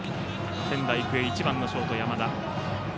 仙台育英１番のショート、山田。